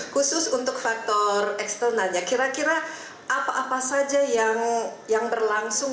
khusus untuk faktor eksternalnya kira kira apa apa saja yang berlangsung